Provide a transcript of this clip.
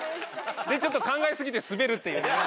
ちょっと考えすぎてスベるっていうね。